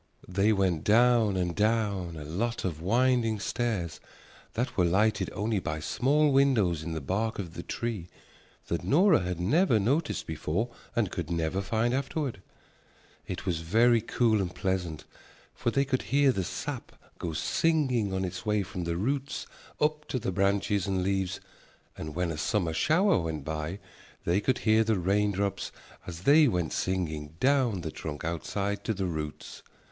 They went down and down a lot of winding stairs that were lighted only by small windows in the bark of the tree that Nora had never noticed before and could never find afterward. It was very cool and pleasant, for they could hear the sap go singing on its way from the roots up to the branches and leaves and when a summer shower went by they could hear the raindrops as they went singing down the trunk outside to the roots.